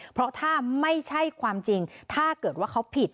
เพราะถ้าไม่ใช่ความจริงถ้าเกิดว่าเขาผิด